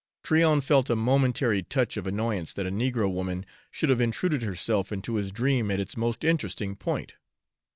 Tryon felt a momentary touch of annoyance that a negro woman should have intruded herself into his dream at its most interesting point.